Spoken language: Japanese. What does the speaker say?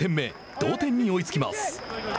同点に追いつきます。